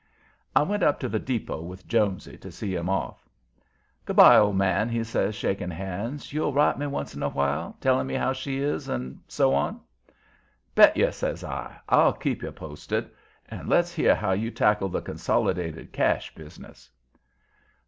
I went up to the depot with Jonesy to see him off. "Good by, old man," he says, shaking hands. "You'll write me once in a while, telling me how she is, and and so on?" "Bet you!" says I. "I'll keep you posted up. And let's hear how you tackle the Consolidated Cash business."